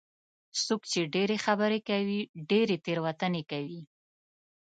څوک چې ډېرې خبرې کوي، ډېرې تېروتنې کوي.